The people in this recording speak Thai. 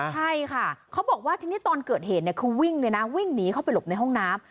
ใช่ค่ะเขาบอกว่าทีนี้ตอนเกิดเหตุคือวิ่งเลยนะวิ่งหนีเข้าไปหลบในห้องน้ำ